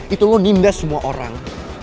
itu lo nginda semua orang